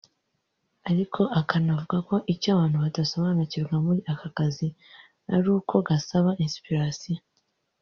ariko akanavuga ko icyo abantu badasobanukirwa muri aka kazi ari uko gasaba inspiration